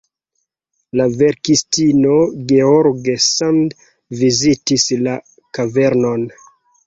La verkistino George Sand vizitis la kavernon.